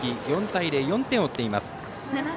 ４対０、４点を追っています。